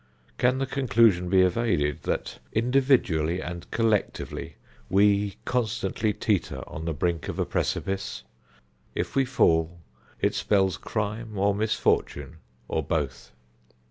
Can the conclusion be evaded that individually and collectively we constantly teeter on the brink of a precipice? If we fall it spells crime or misfortune, or both.